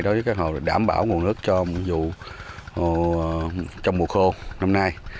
đối với các hồ đảm bảo nguồn nước trong mùa khô năm nay